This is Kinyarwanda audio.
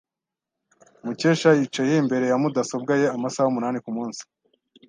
Mukesha yicaye imbere ya mudasobwa ye amasaha umunani kumunsi.